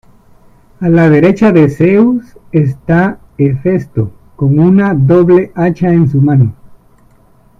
A la derecha de Zeus está Hefesto con una doble hacha en su mano.